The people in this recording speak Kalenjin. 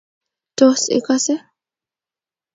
Tos ikose?